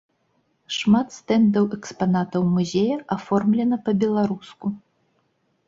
Шмат стэндаў экспанатаў музея аформлена па-беларуску.